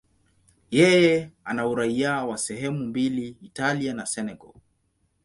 Yeye ana uraia wa sehemu mbili, Italia na Senegal.